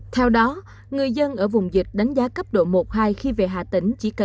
theo đó người dân ở vùng dịch đánh giá cấp độ một hai khi về hà tĩnh chỉ cần một hai ngày